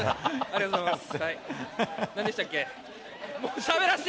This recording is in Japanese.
ありがとうございます。